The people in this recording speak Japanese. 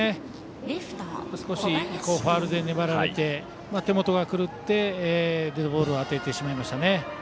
少しファウルで粘られて手元が狂ってデッドボールを当ててしまいましたね。